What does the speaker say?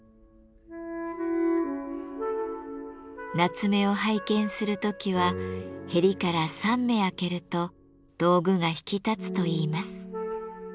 なつめを拝見する時はへりから３目空けると道具が引き立つといいます。